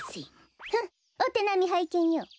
ふんっおてなみはいけんよ！